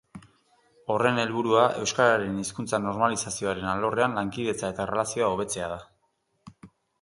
Horren helburua euskararen hizkuntza-normalizazioaren alorrean lankidetza eta erlazioa hobetzea da.